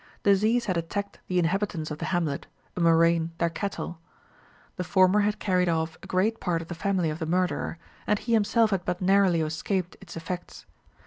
Disease had attacked the inhabitants of the hamlet, a murrain their cattle. The former had carried off a great part of the family of the murderer, and he himself had but narrowly escaped its effects.